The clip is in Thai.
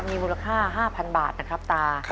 มีมูลค่า๕๐๐๐บาทนะครับตา